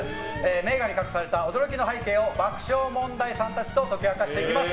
名画に隠された驚きの背景を爆笑問題さんたちと解き明かしていきます。